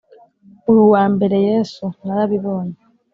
uru uwa mbere yesu narabibonye